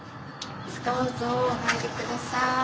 どうぞお入り下さい。